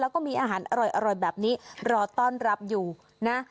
แล้วก็มีอาหารอร่อยแบบนี้รอต้อนรับอยู่นะ